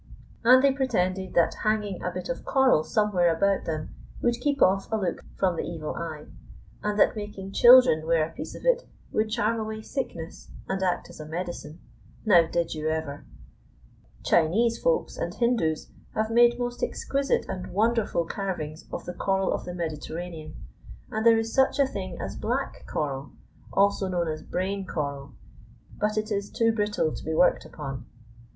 And they pretended that hanging a bit of coral somewhere about them would keep off a look from "the evil eye," and that making children wear a piece of it would charm away sickness and act as a medicine. Now did you ever! Chinese Folks and Hindoos have made most exquisite and wonderful carvings of the coral of the Mediterranean, and there is such a thing as black coral, also known as brain coral, but it is too brittle to be worked upon.